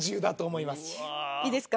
いいですか？